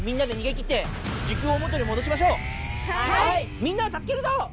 みんなを助けるぞ！